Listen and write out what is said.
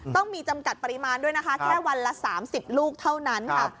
ต้องมีจำกัดปริมาณด้วยนะคะแค่วันละ๓๐ลูกเท่านั้นค่ะ